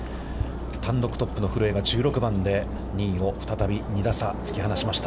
単独トップの古江が１６番で２位を再び２打差、突き放しました。